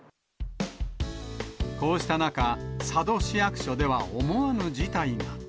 こうした中、佐渡市役所では思わぬ事態が。